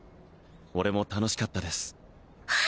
俺も楽しかったです